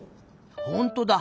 ほんとだ。